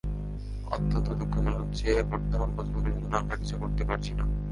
অত্যন্ত দুঃখজনক যে, বর্তমান প্রজন্মের জন্য আমরা কিছু করতে পারছি না।